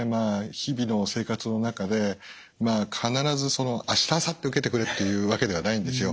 日々の生活の中で必ずその明日あさって受けてくれというわけではないんですよ。